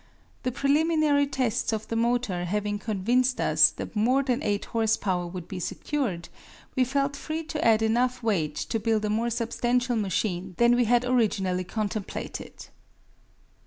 The preliminary tests of the motor having convinced us that more than 8 horse power would be secured, we felt free to add enough weight to build a more substantial machine than we had originally contemplated.